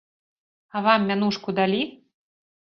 А вам мянушку далі?